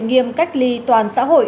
nghiêm cách ly toàn xã hội